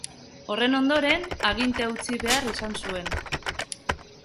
Horren ondoren, agintea utzi behar izan zuen.